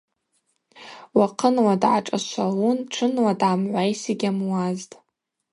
Уахъынла дгӏашӏашвалун тшынла дгӏамгӏвайс йгьамуазтӏ.